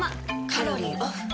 カロリーオフ。